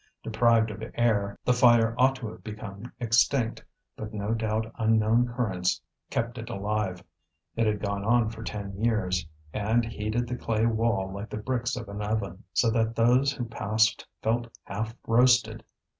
Deprived of air, the fire ought to have become extinct, but no doubt unknown currents kept it alive; it had gone on for ten years, and heated the clay wall like the bricks of an oven, so that those who passed felt half roasted.